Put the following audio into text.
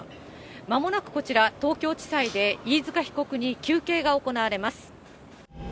まもなくこちら、東京地裁で飯塚被告に求刑が行われます。